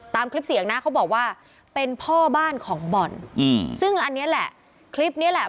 ตามคลิปเสียงหน้าเขาบอกว่าเป็นพ่อบ้านของบอลอืมซึ่งอันเนี้ยแหละ